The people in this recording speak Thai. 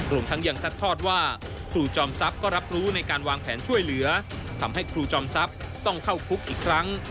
รวมทั้งยังซัดทอดว่าครูจอมทรัพย์ก็รับรู้ในการวางแผนช่วยเหลือทำให้ครูจอมทรัพย์ต้องเข้าคุกอีกครั้ง